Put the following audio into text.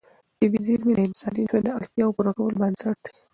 طبیعي زېرمې د انساني ژوند د اړتیاوو پوره کولو بنسټ دي.